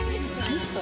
ミスト？